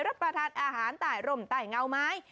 รับประทานอาหารใต้ร่มใต้เงาไม้